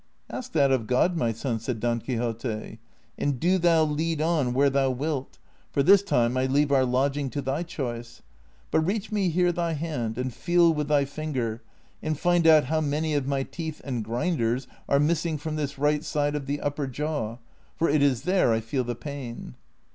" Ask that of God, my son," said Don Quixote ;'' and do thou lead on where thou wilt, for this time I leave our lodging to thy choice ; but reach me here thy hand, and feel with thy finger, and find out how many of my teeth and grinders are missing from this right side of the upper jaw, for it is there I feel the pain."